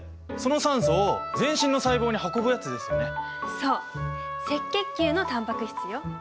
そう赤血球のタンパク質よ。